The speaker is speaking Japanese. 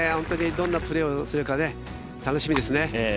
どんなプレーをするか楽しみですね。